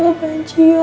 mama pengen cium